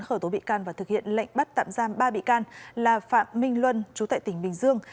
khởi tố bị can và thực hiện lệnh bắt tạm giam ba bị can là phạm minh luân chú tại tỉnh bình dương